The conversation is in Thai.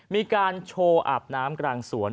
มีการโชว์อาบน้ำกลางสวน